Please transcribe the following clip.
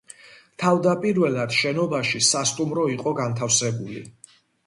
თავდაპირველად შენობაში სასტუმრო იყო განთავსებული.